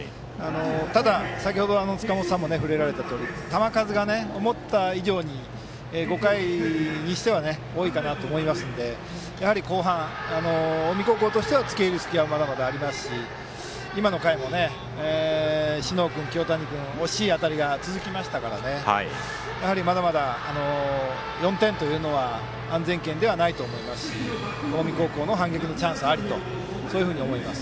ただ、先程塚本さんも触れられたとおり球数が思った以上に５回にしては多いかなと思いますのでやはり後半、近江高校としては付け入る隙はまだまだありますし今の回も小竹君、清谷君と惜しい当たりが続きましたからまだまだ４点というのは安全圏ではないと思いますし近江高校は反撃のチャンスがあるとそういうふうに思います。